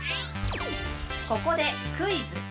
ここでクイズ。